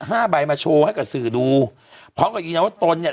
ห้าใบมาโชว์ให้กับสื่อดูพร้อมกับยีนวัตตนเนี่ย